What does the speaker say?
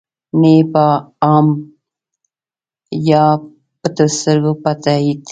نه ېې په عام یا پټو سترګو په تایید.